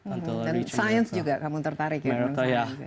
and science juga kamu tertarik ya